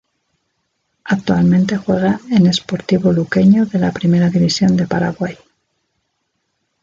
Actualmente juega en Sportivo Luqueño de la Primera División de Paraguay.